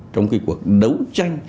trong cái cuộc đấu tranh